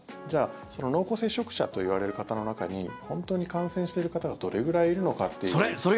じゃあ、その濃厚接触者といわれる方の中に本当に感染している方がどれくらいいるのかということ。